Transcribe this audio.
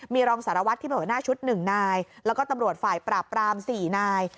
มีรองศาลวัสดิ์ที่เป็นสาน่าชุด๑นายแล้วก็ตำรวจฝ่ายประปราม๔นาย